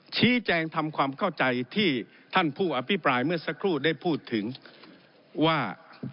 ชี้แจงทำความเข้าใจที่ท่านผู้อภิปรายเมื่อสักครู่ได้พูดถึงว่า